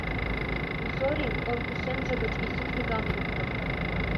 Зорин оҥ кӱсенже гыч изи книгам лукто.